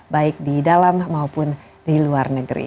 baik di dalam maupun di luar negeri